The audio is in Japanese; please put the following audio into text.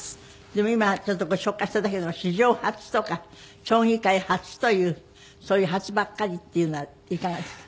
でも今ちょっとご紹介しただけでも史上初とか将棋界初というそういう初ばっかりっていうのはいかがですか？